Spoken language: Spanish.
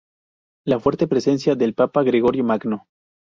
La fuerte presencia del Papa Gregorio Magno.